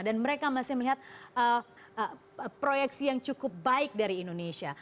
dan mereka masih melihat proyeksi yang cukup baik dari indonesia